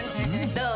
どう？